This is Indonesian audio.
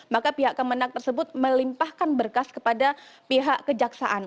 maka pihak kemenang tersebut melimpahkan berkas kepada pihak kejaksaan